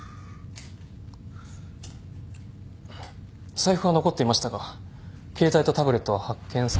財布は残っていましたが携帯とタブレットは発見されていません。